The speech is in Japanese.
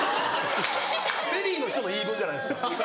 フェリーの人の言い分じゃないですか。